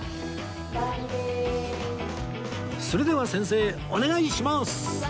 それでは先生お願いします！